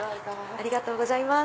ありがとうございます。